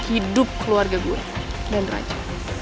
hidup keluarga gue dan raja